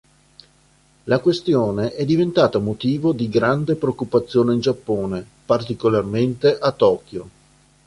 La questione è diventata motivo di grande preoccupazione in Giappone, particolarmente a Tokyo.